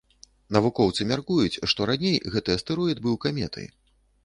Навукоўцы мяркуюць, што раней гэты астэроід быў каметай.